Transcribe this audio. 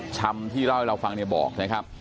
ชำที่เล่าให้เราฟังเนี่ยบอกนะครับ